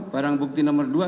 barang bukti nomor dua